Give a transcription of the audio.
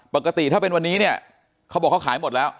ปกติถ้าเป็นวันนี้เนี่ยเขาบอกเขาขายหมดแล้ว